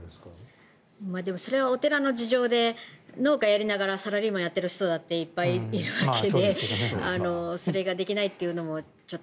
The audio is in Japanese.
それはお寺の事情で農家やりながらサラリーマンやってる人だっているわけでそれができないというのも。